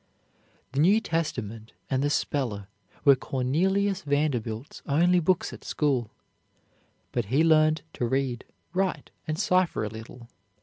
The new Testament and the speller were Cornelius Vanderbilt's only books at school, but he learned to read, write, and cipher a little.